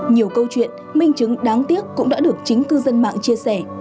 nhiều câu chuyện minh chứng đáng tiếc cũng đã được chính cư dân mạng chia sẻ